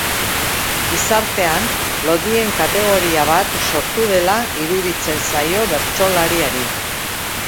Gizartean lodien kategoria bat sortu dela iruditzen zaio bertsolariari.